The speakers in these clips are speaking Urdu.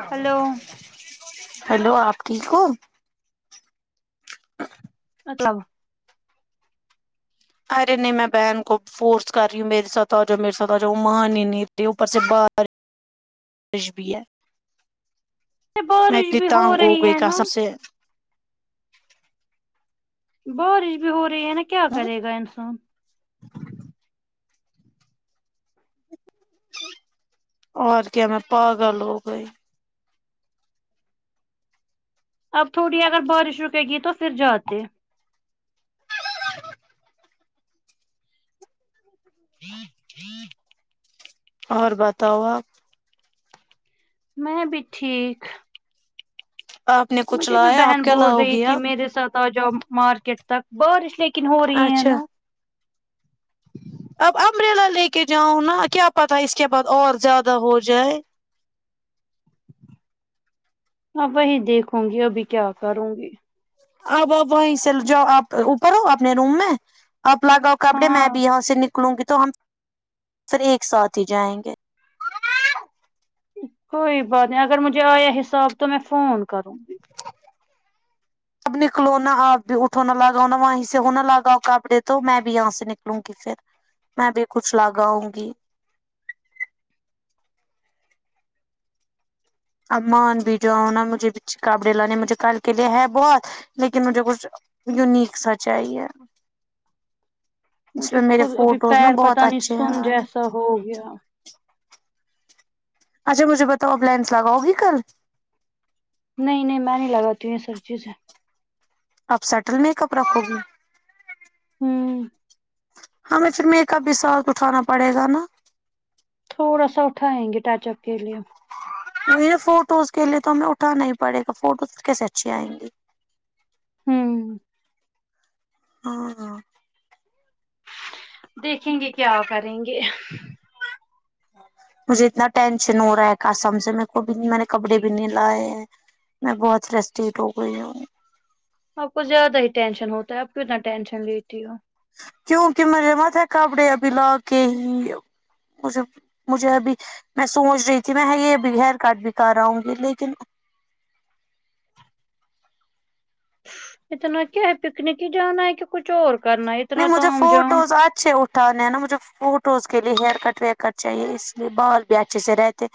ا ہلو ہیلو آپ ٹھیک مطلب ارے نہیں میں بہن کو فورس کر رہی ہوں میری ساتھ آجاؤ میرے ساتھ آجاؤ وہ مان ہی نہیں رہی اوپر سے باہر وش بھی ہے میں بارش اتنی بھی ہو تنگ ہوں رہی گئی ہے ہو نا سب سے بارش بھی ہو رہی ہے نا کیا کرے گا انسان اور کیا میں پاگل ہو گئی اب تھوڑی اگر بارش رکے گی تو پھر جاتے ٹھیک ٹھیک اور بتاؤ آپ میں بھی ٹھیک آپ نے کچھ مجھے بھی لایا آپ بہن کیا بول لاؤ رہی گی تھی آپ میرے ساتھ تجہ مارکیٹ تک بارش لیکن ہو رہی ہے اچھا نا اب امبریلا لے کے جاؤں نا کیا پتا اس کے بعد اور زیادہ ہو جائے ہاں وہی دیکھوں گی ابھی کیا کروں گی اب اب وہیں سے جاؤ آپ اوپر ہو اپنے روم میں آپ لگاؤ کپڑے ہاں میں بھی یہاں سے نکلوں گی تو ہم پھر ایک ساتھ ہی جائیں گے کوئی بات نہیں اگر مجھے آیا حساب تو میں فون کروں اب نکلو نا آپ بھی اٹھو نا لگاو نا وہیں سے ہونا لگاو کپڑے تو میں بھی یہاں سے نکلوں گی پھر میں بھی کچھ لگاؤں گی اب مان بھی جاؤ نا مجھے کپڑے لانے مجھے کل کے لیے ہے بہت لیکن مجھے کچھ یونیک سا چائے مجھے خود ابھی پیر پت نہیں سن آئے جیسا ہو گیا اچھا مجھے بتاؤ اپپ لائنس لگاؤ گی کل نہیں نہیں میں نہیں لگاتی ہوں یہ سب چیزیں اب سیٹ ہونے کب رکھو گی ہوں ہمیں پھر میک اپ بھی ساتھ اٹھانا پڑے گا نا تھوڑا سا اٹھائیں گے ٹچ اپ کے لیے وہ فوٹوز کے لیے تو ہمیں اٹھانا ہی پڑے گا فوٹوز کیسے اچھی آئیں گیں ہوں ہاں دیکھیں گے کیا کریں گے مجھے اتنا ٹینشن ہو رہا ہے قسم سے میں کو بھی میں نے کپڑے بھی نہیں لائے ہیں میں بہت ریسٹریٹ ہو گئی ہوں آپ کو زیادہ ہی ٹینشن ہوتا ہے آپ کتنا ٹینشن لیتی ہو کیوںکہ مرمت ہے کپڑے ابھی لا کے ہی مے [unintelligible] مجھے ابھی میں سوچ رہی تھی میں یہ بھی ہیئر کٹ بھی کرونگی گی لیکن اتنا کیا ہے پکنک ہی جانا ہے کہ کچھ اور کرنا ہے اتنا توم جام اچھ اٹھ ہے نا مجھے فوٹوز کے لیے ہیئر کٹ ویئر کٹ چاہیے اس لیے بال بھی اچھے سے رہتے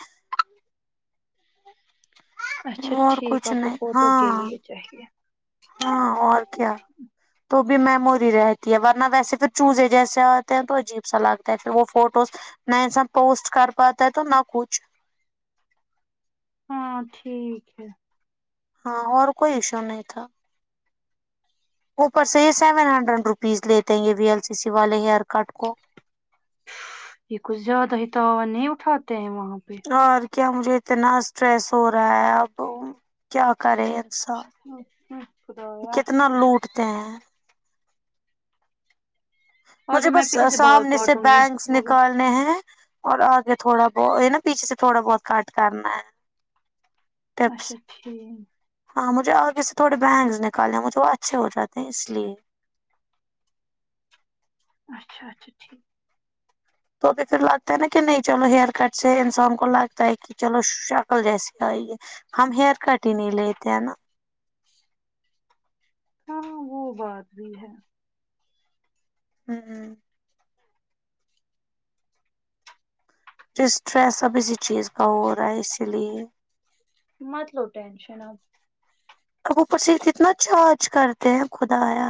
اچھا اور ٹھیک کچھ آپ کو نہیں فوٹو ہاں کے لیے چاہیے ہاں اور کیا تو بھی میموری رہتی ہے ورنہ ویسے پھر چوز ہے جیسے آتے ہیں تو عجیب سا لگتا ہے پھر وہ فوٹوز نہ ایسا پوسٹ کر پاتا ہے تو نہ کچھ ہاں ٹھیک ہے ہاں اور کوئی ایشو نہیں تھا اوپر سے یہ سیون ہنڈریڈ روپیز لیتےیں گے وی ایل سی سی والے ہیئر کٹ کو یہ کچھ زیادہ ہی تو ہوا نہیں اٹھاتے ہیں وہاں پہ اور کیا مجھے اتنا اسٹریس ہو رہا ہے اب کیا کرے انسان خدایا کتنا لوٹتے ہیں اور مجھے جو میں بس پیچھے سے بال سامنے سے کاٹوں گی بینکس وہ بھی نکالنے ہیں اور آگے تھوڑا بہت ہے نا پیچھے سے تھوڑا بہت کٹ کرنا ہے ٹپس اچھا ٹھیک ہاں مجھے آگے سے تھوڑے بینگس نکالے مجھے وہ اچھے ہو جاتے ہیں اس لیے اچھا اچھا ٹھیک تو بھی پھر لگتا ہے نا کہ نہیں چلو ہیئر کٹ سے انسان کو لگتا ہے کہ چلو شکل جیسی آئی ہے ہم ہیئر کٹ ہی نہیں لیتے ہے نا ہاں وہ بات بھی ہے ہوں اسٹریس اب اسی چیز کا ہو رہا ہے اسی لیے مت لو ٹینشن آپ اب اوپر سے اتنا چارچ کرتے ہیں خدا یا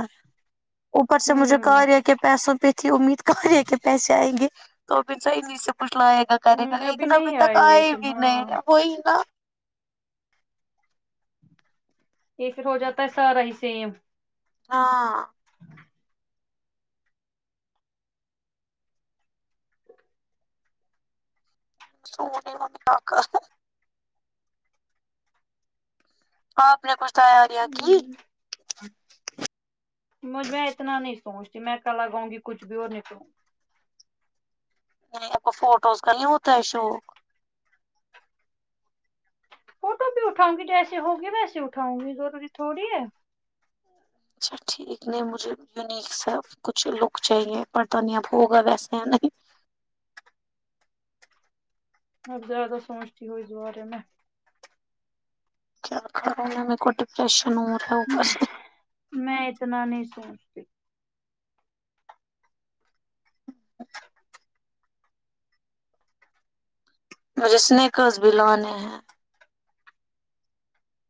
اوپر سے مجھے ہوں کاریا کے پیسوں پہ تھی امید کاریا کے پیسے جائیں گے تو ب س ای سے کچھ لائے گا [unintelligible] کرے گا ہوں لیکن ابھی نہیں تک آئے لیکن بھی نہیں ہاں ہے وہی نا یہ پھر ہو جاتا ہے سارا ہی سیم ہاں سونے ہونی آک [unintelligible] آپ نے کچھ تیاریاں کی مجھ میں اتنا نہیں سوچتی میں کلاگاؤ گی کچھ بھی اور ہونے کو نہیں آپ کو فوٹوز کا نہیں ہوتا ہے ایشو فوٹو بھی اٹھاں گی جیسے ہوگی ویسے اٹھاں گی ضروری تھوڑی ہے اچھا ٹھیک نہیں مجھے یونیک سا کچھ لک چاہیے برتان اب ہوگا ویسے یا نہیں آپ زیادہ سوچتی ہو اس بارے میں کیا کرو میر کو ڈپریشن ہو رہا ہے وہ بس میں اتنا نہیں سوچتی مجھے اسنیکز بھی لانے ہیں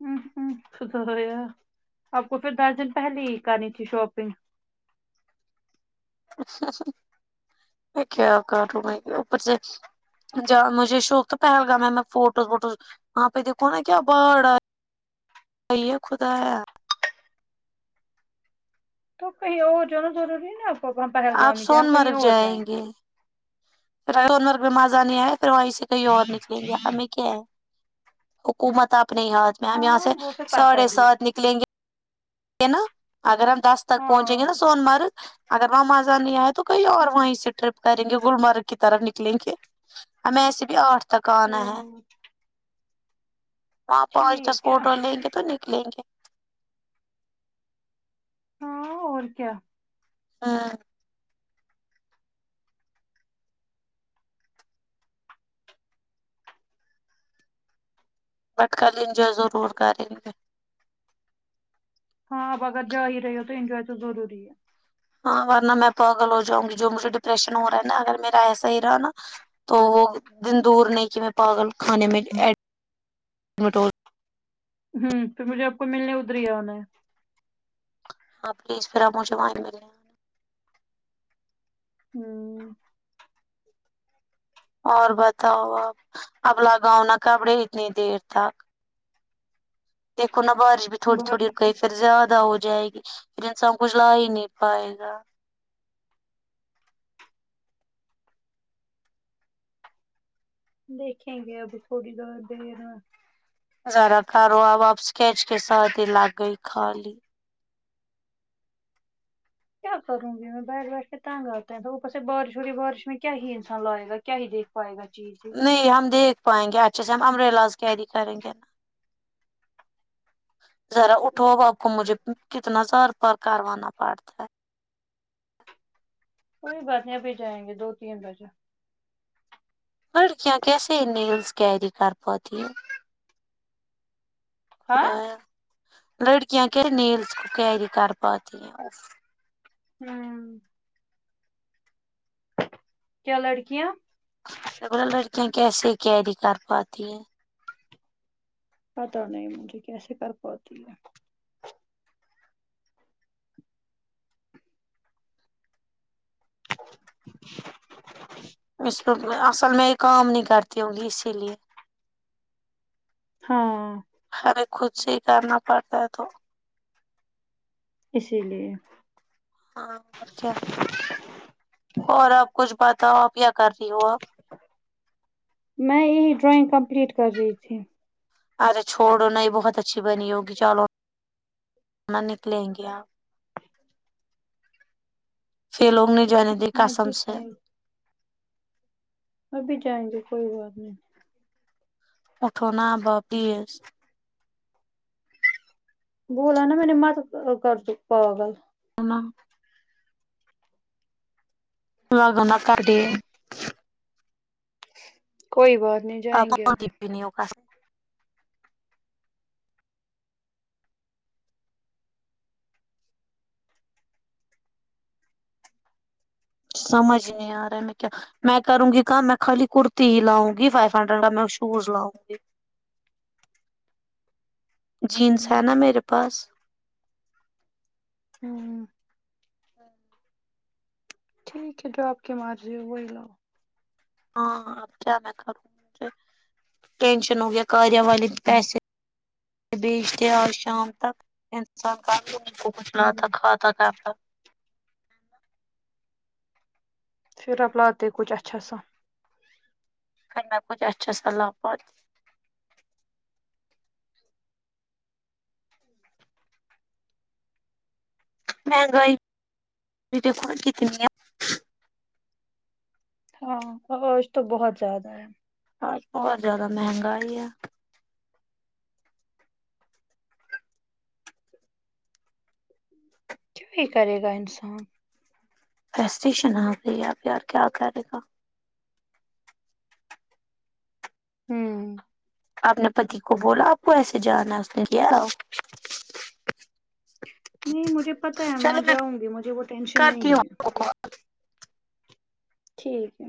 ہ ہ [unintelligible] ہو آپ کو پھر دس دن پہلے ہی کرنی تھی شاپنگ اچھا میں کیا کروں میں اوپر سے ج مجھے شوق تھا پہلگام میں میں فوٹوز ووٹوز وہاں پہ دیکھو نا کیا باڑ آ [inaudible] ہے خدایا تو کہیں اور جانا ضروری نا آپ کو اپنا پہل گام جائیں کہیں اور جائیں گے پھر مر میں مزہ نہیں آیا پھر وہیں سے کہیں اور نکلیں گے ہمیں کیا ہے حکومت آپنے ہاتھ میں ہم یہاں سے ہاں وہ تو پتا ساڑھے ہی ہے سات نکلیں گے ہے نا اگر ہم دس تک ہاں پہنچیں گے نا سون مرگ اگر وہاں مزا نہیں آیا تو کوئی اور ہاں، وہیں سے ٹرپ کریں گے گلمرگ کی طرف نکلیں گے ہمیں ایسے بھی آٹھ تک آنا ہے ہوں وہاں پہنچ دس ٹھیک ہے فوٹوس لیں گے تو نکلیں گے ہاں اور کیا ہاں بٹ کل ینجوے ضرور کریں گے ہاں آپ اگر جا ہی رہی تو انینجوائے تو ضروری ہے ہاں ورنہ میں پاگل ہو جاؤں گی جو مجھے ڈپریشن ہو رہا ہے نا اگر میرا ایسا ہی رہا نا تو وہ دن دور نہیں کہ میں پاگل کھانے میں ایڈمٹ ہو ہمم تو مجھے آپ کو ملنے ادری ہی انا ہے اپ پھر مجھے اس طرح وہاں ہی مل لے ہمم اور بتاؤ آپ اب لگاؤ نا کپڑے اتنی دیر تک دیکھونا بارش بھی تھوڑی بہت تھوڑی رک گئی پھر زیادہ ہو جائے گی پھر انسان کچھ لا ہی نہیں پائے گا دیکھیں گے ابھی تھوڑی در دیرا ذرا تارو اب آب اسکیچ کے ساتھ لگ گئی خالی کیا کروں گی میں بیٹھ بیٹھ کے تنگ آتا بارش ہو رہی بارش میں کیا ہی انسان لائے گا کیا ہی دیک پائے گا چیز سے نہیں ہم دیکھ پائیں گے اچھے سے ہم امبریلاز کیری کریں گے ذرا اٹھو آپ کو مجھے کتنا سار کروانا پڑتا ہے کوئی بات نہیں ابھی جائیں گے دو تین بجہ لڑکیاں کیسے نیلس کیری کر پاتی ہیں ہاں خدا لڑکیاں کیا نیلس کو کیری کر پاتی ہیں ہمم کیا لڑکیاں میں بولا لڑکیاں کیسے کیری کر پاتی ہیں پتا نہیں مجھے کیسے کر پاتی ہے اس پ اصل میں یہ کام نہیں کرتی ہوں گی اسی لیے ہاں ہر ایک خود سے ہی کرنا پڑتا ہے تو اسی لیے ہاں اچھا اور آپ کچھ بتاؤ آپ کیا کر رہی ہو اب میں یہی ڈرائنگ کمپلیٹ کر رہی تھی اچھا چھوڑو نہ ہی بہت اچھی بنی ہوگی چلو نا نکلیں گے آپ چھ لوگ نے جانے دے ہاں قسم بھی سے جائیں گے ابھی جائیں گے کوئی بات نہیں اٹھو نا ابا پلیز بولا نا میں نے مت کر تو پاگل انو لگنا کر دییے کوئی بات نہیں جائیں گے ابھی ابھی نہیں ہوگا سمجھ نہیں ارا میں کیا میں کروں گی کام میں خالی کرتی ہی لاؤں گی فائیو ہنڈریڈ کا میں شوز لاؤں گی جینز ہے ہوں نا میرے پاس ہوں ٹھیک ہے جو آپ کی مرضی ہو وہی لاؤ ہاں اب کیا میں کروں ٹینشن ہو گیا کاریا والے پیسے بھیج دیں آج شام تک انسان کافی لوگوں کو ہوں بتلاتا کھاتا شام تک پھراپ لاتے کچھ اچھا سا پھر میں کچھ اچھا سا لا پاتی میں گئی پھر دیکھو آج کتنی ہے ہاں ہوو آج تو بہت زیادہ ہے اور بہت زیادہ مہنگائی ہے کیوں ہی کرے گا انسان فرسٹیشن آ گئی ہے اب یار کیا کرے گا ہوں آپ نے پتی کو بولا آپ کو ایسے جانا اس نے کیا اب نہیں مجھے پتا ہے میں جاؤں گی مجھے وہ ٹینشن کرتی ہوں نہیں ہے آپ کو ٹھیک ہے